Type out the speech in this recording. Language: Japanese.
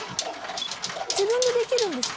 自分でできるんですか？